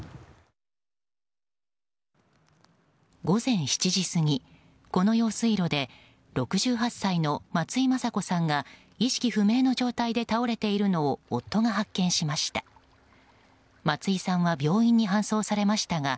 午前７時過ぎ、この用水路で６８歳の松井正子さんが意識不明の状態で倒れているのを夫が発見しました。